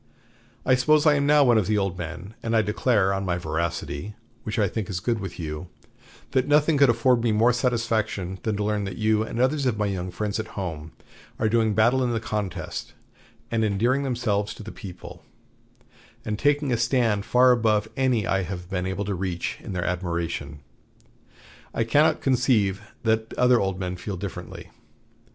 I suppose I am now one of the old men; and I declare, on my veracity, which I think is good with you, that nothing could afford me more satisfaction than to learn that you and others of my young friends at home are doing battle in the contest, and endearing themselves to the people, and taking a stand far above any I have been able to reach in their admiration. I cannot conceive that other old men feel differently.